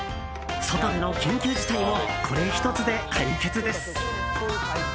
外での緊急事態もこれ１つで解決です。